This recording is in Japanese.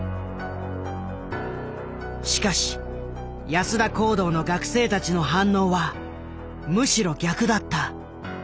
しかし安田講堂の学生たちの反応はむしろ逆だった。